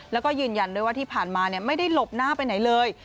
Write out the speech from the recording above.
แล้วก็ยืนยันด้วยว่าที่ผ่านมาไม่ได้หลบหน้าไปไหนเลย